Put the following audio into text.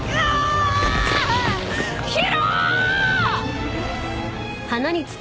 宙！！